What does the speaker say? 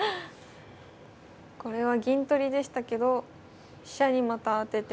これは銀取りでしたけど飛車にまた当てて。